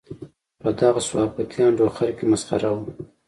په دغه صحافتي انډوخر کې مسخره وو.